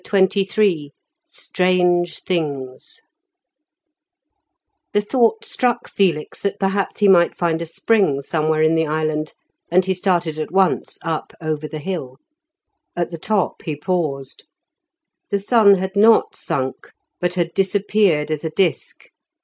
CHAPTER XXIII STRANGE THINGS The thought struck Felix that perhaps he might find a spring somewhere in the island, and he started at once up over the hill. At the top he paused. The sun had not sunk, but had disappeared as a disk.